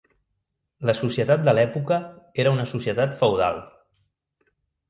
La societat de l'època era una societat feudal.